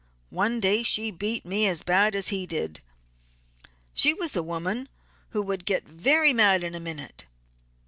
One day she beat me as bad as he did. She was a woman who would get very mad in a minute.